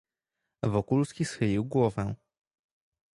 "Wokulski schylił głowę."